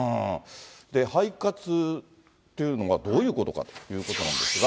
肺活というのがどういうことかということなんですが。